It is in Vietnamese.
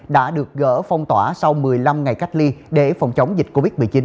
đã được gỡ phong tỏa sau một mươi năm ngày cách ly để phòng chống dịch covid một mươi chín